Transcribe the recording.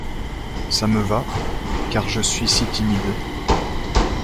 Ça me va ! car je suis si timide…